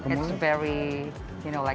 itu sangat menarik